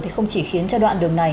không chỉ khiến cho đoạn đường này